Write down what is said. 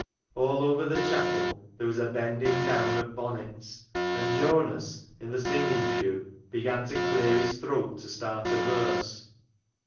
All over the chapel there was a bending down of bonnets, and Jonas in the singing pew began to clear his throat to start a verse.